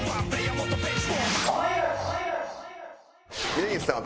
峯岸さん